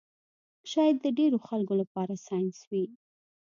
شاید د ډېرو خلکو لپاره ساینس وي